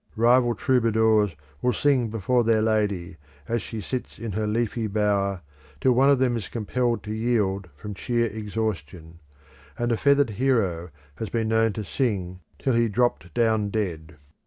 Rival troubadours will sing before their lady, as she sits in her leafy bower till one of them is compelled to yield from sheer exhaustion, and a feathered hero has been known to sing till he dropped down dead.